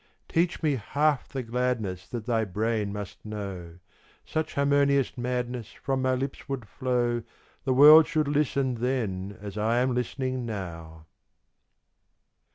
Teach me half the gladness That thy brain must know; Such harmonious madness From my lips would flow The world should listen then as I am listening now!